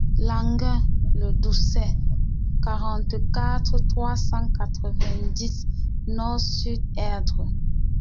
Languin - Le Doussais, quarante-quatre, trois cent quatre-vingt-dix Nort-sur-Erdre